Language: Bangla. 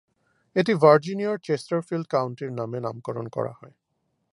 এটি ভার্জিনিয়ার চেস্টারফিল্ড কাউন্টির নামে নামকরণ করা হয়।